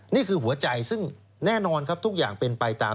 นี่คือหัวใจซึ่งแน่นอนครับทุกอย่างเป็นไปตาม